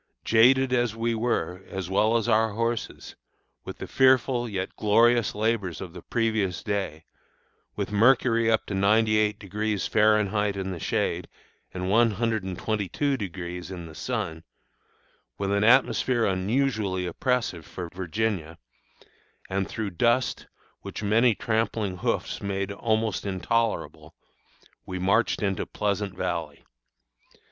Jaded as we were, as well as our horses, with the fearful yet glorious labors of the previous day, with mercury up to 98° Fahrenheit in the shade, and 122° in the sun, with an atmosphere unusually oppressive for Virginia, and through dust which many tramping hoofs made almost intolerable, we marched into Pleasant Valley.